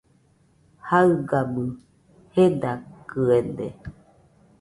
Jaɨgabɨ jedakɨede